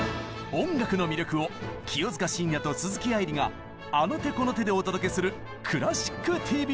音楽の魅力を清塚信也と鈴木愛理があの手この手でお届けする「クラシックＴＶ」！